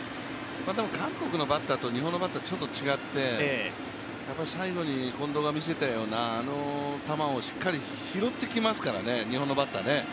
多分、韓国のバッターと日本のバッター、ちょっと違って、最後に近藤が見せたようなあの球をしっかりと拾ってきますからね、日本のバッターね。